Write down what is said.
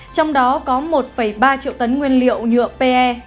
trong đó có một ba triệu tấn nguyên liệu nhựa pe